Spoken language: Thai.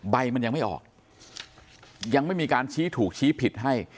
ใบมันยังไม่ออกยังไม่มีการชี้ถูกชี้ผิดให้